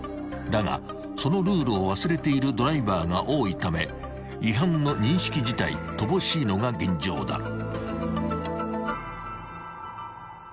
［だがそのルールを忘れているドライバーが多いため違反の認識自体乏しいのが現状だ］